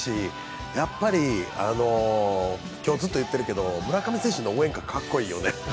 今日ずっと言っているけど、村上選手の応援歌、格好いいよね。